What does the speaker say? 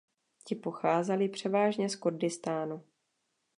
Ti pocházeli převážně z Kurdistánu.